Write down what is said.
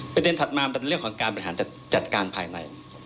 ถัดมามันเป็นเรื่องของการบริหารจัดการภายใน